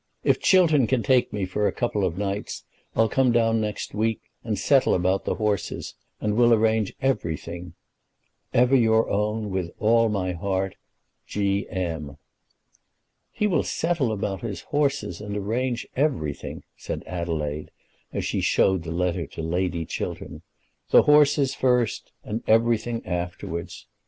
If Chiltern can take me for a couple of nights, I'll come down next week, and settle about the horses, and will arrange everything. Ever your own, with all my heart, G. M. "He will settle about his horses, and arrange everything," said Adelaide, as she showed the letter to Lady Chiltern. "The horses first, and everything afterwards.